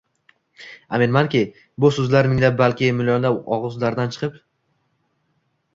– aminmanki, bu so‘zlar minglab balki millionlab og‘izlardan chiqib